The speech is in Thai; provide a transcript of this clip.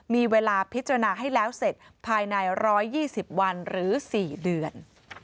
มีเวลาพิจารณาให้แล้วเสร็จภายใน๑๒๐วันหรือ๔เดือน